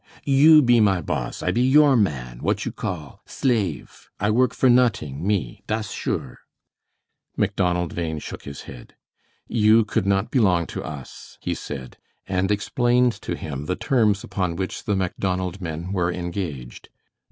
You be my boss, I be your man what you call slave. I work for noting, me. Das sure." Macdonald Bhain shook his head. "You could not belong to us," he said, and explained to him the terms upon which the Macdonald men were engaged.